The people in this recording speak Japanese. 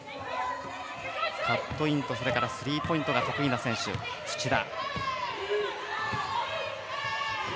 カットインとスリーポイントが得意な選手、土田。